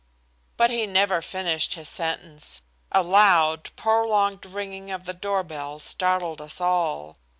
But he never finished his sentence. A loud, prolonged ringing of the doorbell startled us all.